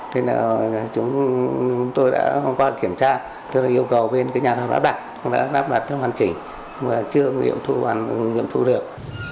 thế nào chúng tôi đã qua kiểm tra tôi đã yêu cầu bên nhà thông đã đặt đã đáp đặt theo hoàn chỉnh mà chưa nghiệm thu được